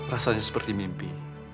rasanya seperti mimpi